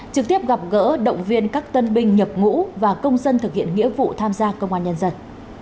trực tiếp gặp gỡ động viên các tân binh nhập ngũ và công dân thực hiện nghĩa vụ tham gia công an nhân dân